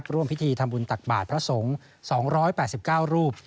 ร่วมพิธีทำบุญตักบาทพระสงฆ์๒๘๙รูป